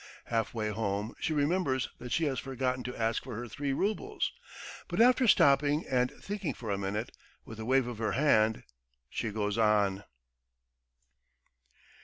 Half way home she remembers that she has forgotten to ask for her three roubles, but after stopping and thinking for a minute, with a wave of her hand, she goes on.